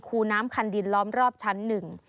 ูน้ำคันดินล้อมรอบชั้นหนึ่ง